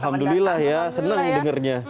alhamdulillah ya senang dengarnya